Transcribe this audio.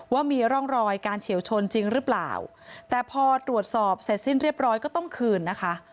ว่ามีร่องรอยการเฉียวชนจริงหรือเปล่าแต่พอตรวจสอบเสร็จสิ้นเรียบร้อยก็ต้องคืนนะคะ